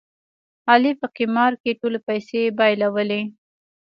علي په قمار کې ټولې پیسې بایلولې.